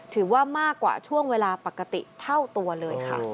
ถือว่ามากกว่าช่วงเวลาปกติเท่าตัวเลยค่ะ